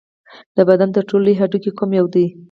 د بدن تر ټولو لوی هډوکی کوم یو دی